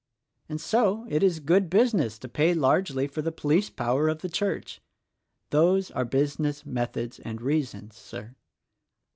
And so, it is good busi ness to pay largely for the police power of the church. Those are business methods and reasons, Sir."